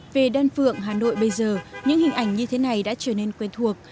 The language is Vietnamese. về đan phượng hà nội bây giờ những hình ảnh như thế này đã trở nên quen thuộc